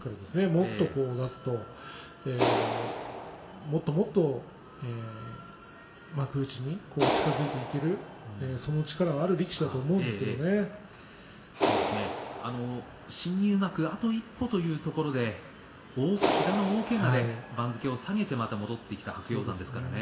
これを、ふだんからもっと出すともっと幕内に近づいていけるその力がある力士だと新入幕はあと一歩というところで膝の大けがで番付を下げてまた戻ってきた白鷹山です。